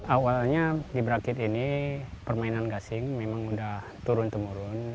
awalnya di berakit ini permainan gasing memang udah turun temurun